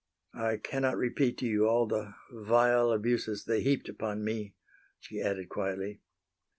"I cannot repeat to you all the vile abuses they heaped upon me," she added, quietly.